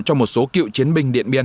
cho một số cựu chiến binh điện biên